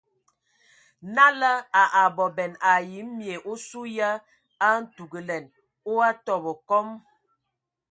Nala a abɔbɛn ai mye osu ye a ntugəlɛn o a tɔbɔ kɔm.